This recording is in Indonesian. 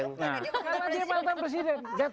karena dia mantan presiden